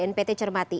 sedang bnpt cermati